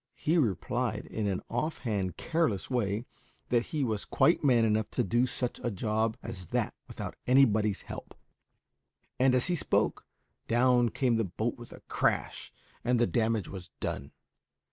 He replied, in an offhand, careless way, that he was quite man enough to do such a job as that without anybody's help; and, as he spoke, down came the boat with a crash, and the damage was done.